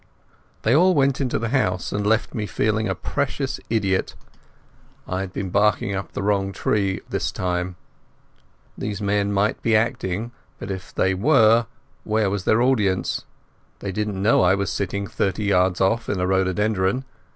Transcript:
They all went into the house, and left me feeling a precious idiot. I had been barking up the wrong tree this time. These men might be acting; but if they were, where was their audience? They didn't know I was sitting thirty yards off in a rhododendron.